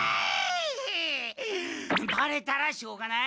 ばれたらしょうがない！